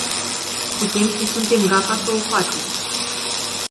Putem și suntem gata să o facem.